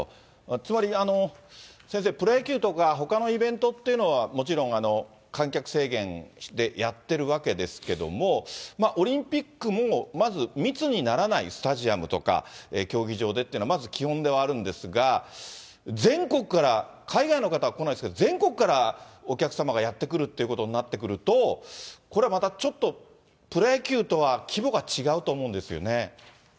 つまり先生、プロ野球とかほかのイベントっていうのは、もちろん観客制限でやってるわけですけども、オリンピックもまず、密にならないスタジアムとか、競技場でっていうのはまず基本ではあるんですが、全国から、海外の方は来ないですけども、全国からお客様がやって来るということになってくると、これまた、ちょっとプロ野球とは規模が違うと思うんですよね。